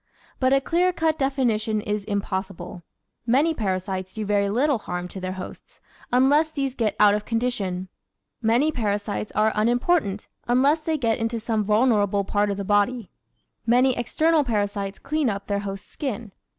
But a clear cut definition is impossible; many parasites do very little harm to their hosts unless these get out of condition; many parasites are unimportant unless they get into some vulnerable part of the body; many external parasites clean up their host's skin.